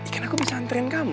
kan aku bisa anterin kamu